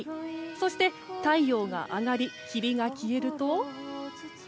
そして太陽が上がり霧が消えると。